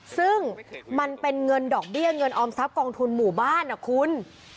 ซึ่งมันเป็นเงินดอกเบี้ยเงินออมทรัพย์กองทุนหมู่บ้านนะคุณ